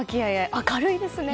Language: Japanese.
明るいですよね。